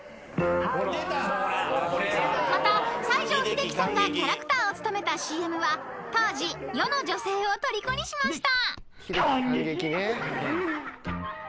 ［また西城秀樹さんがキャラクターを務めたＣＭは当時世の女性をとりこにしました］